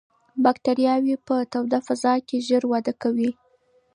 باکتریاوې په توده فضا کې ژر وده کوي.